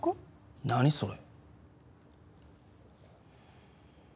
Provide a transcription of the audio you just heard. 何それ？